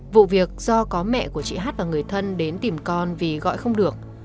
vụ việc do có mẹ của chị hát và người thân đến tìm con vì gọi không được